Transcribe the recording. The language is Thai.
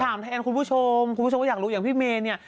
ถามแทนคุณผู้ชมคุณผู้ชมก็อยากรู้อย่างพี่เมย์เนี่ย